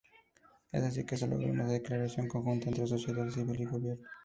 Es así que se logra una declaración conjunta entre sociedad civil y el gobierno.